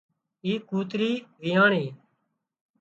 اي ڪوترِي ويئاڻِي